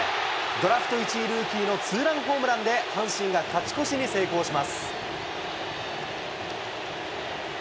ドラフト１位ルーキーのツーランホームランで阪神が勝ち越しに成功します。